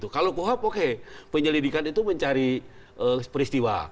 kalau kuhap oke penyelidikan itu mencari peristiwa